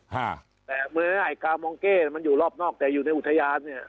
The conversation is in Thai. ฮะแต่มือไอ้กามองเก้เนี้ยมันอยู่รอบนอกแต่อยู่ในอุทยานเนี่ย